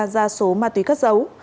ra số ma túy cất dấu